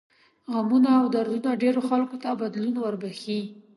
غمونه او دردونه ډېرو خلکو ته بدلون وربښي.